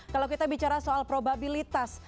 kalau kita bicara soal probabilitas